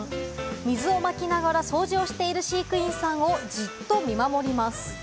水をまきながら、掃除をしている飼育員さんをじっと見守ります。